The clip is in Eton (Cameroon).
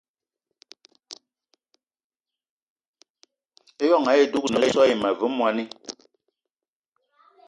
Ijon ayì dúgne so àyi ma ve mwani